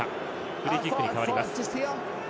フリーキックに変わります。